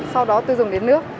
sau đó tôi dùng đến nước